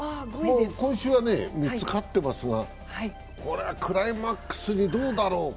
今週は勝ってますがクライマックスにどうだろう。